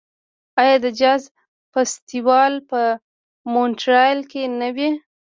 آیا د جاز فستیوال په مونټریال کې نه وي؟